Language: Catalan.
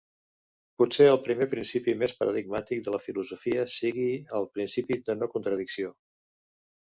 Potser el primer principi més paradigmàtic de la filosofia sigui el principi de no contradicció.